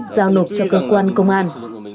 giao nộp cho cơ quan công an